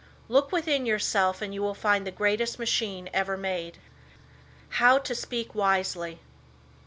Look within yourself and you will find the greatest machine ever made. How to Speak Wisely.